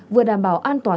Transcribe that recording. vừa đảm bảo an toàn